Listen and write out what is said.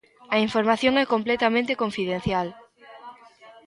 A información é completamente confidencial.